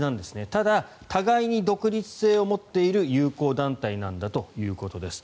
ただ、互いに独立性を持っている友好団体なんだということです。